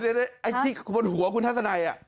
เดี๋ยวไอ้ที่บนหัวคุณธรรมดิธานาย